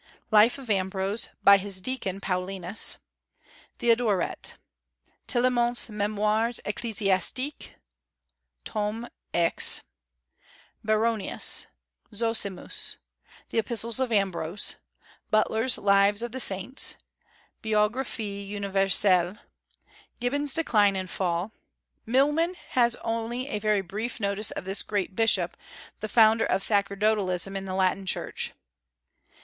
Life of Ambrose, by his deacon, Paulinus; Theodoret; Tillemont's Memoires Ecclesiastique, tom. x; Baronius; Zosimus; the Epistles of Ambrose; Butler's Lives of the Saints; Biographie Universelle; Gibbon's Decline and Fall. Milman has only a very brief notice of this great bishop, the founder of sacerdotalism in the Latin Church.